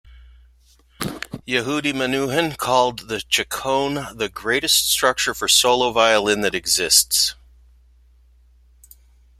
Yehudi Menuhin called the Chaconne "the greatest structure for solo violin that exists".